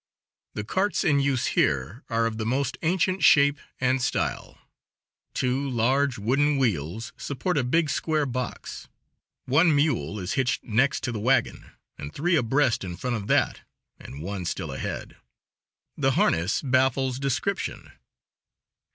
The carts in use here are of the most ancient shape and style; two large, wooden wheels support a big square box. One mule is hitched next to the wagon, and three abreast in front of that, and one still ahead; the harness baffles description.